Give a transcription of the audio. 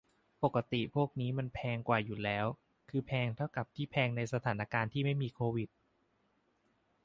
ปกติร้านพวกนี้มันแพงกว่าอยู่แล้ว คือแพงเท่ากับที่แพงในสถานการณ์ที่ไม่มีโควิด